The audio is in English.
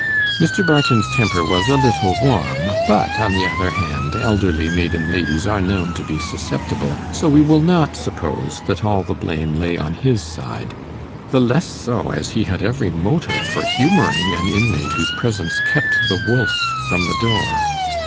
Mr. Barton's temper was a little warm, but, on the other hand, elderly maiden ladies are known to be susceptible; so we will not suppose that all the blame lay on his side the less so, as he had every motive for humouring an inmate whose presence kept the wolf from the door.